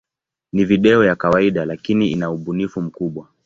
Ni video ya kawaida, lakini ina ubunifu mkubwa.